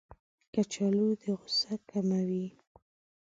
کچالو د غوسه کموي